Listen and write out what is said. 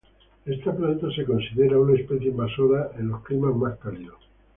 Esta planta se considera una especie invasora en los climas más cálidos.